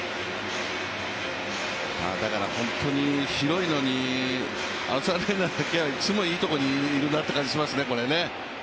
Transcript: だから本当に広いのに、アロザレーナだけはいつもいいところにいるなっていう感じがしますね。